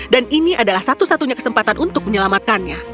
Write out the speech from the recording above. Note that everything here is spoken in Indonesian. dan ini adalah satu satunya kesempatan untuk menyelamatkannya